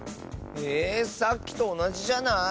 えさっきとおなじじゃない？